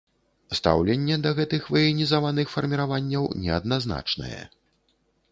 Стаўленне да гэтых ваенізаваных фарміраванняў неадназначнае.